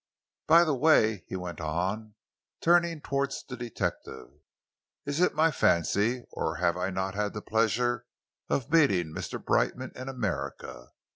By the way," he went on, turning towards the detective, "is it my fancy or have I not had the pleasure of meeting Mr. Brightman in America?